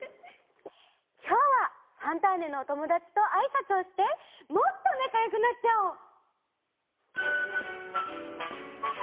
きょうは「ファンターネ！」のおともだちとあいさつをしてもっとなかよくなっちゃおう！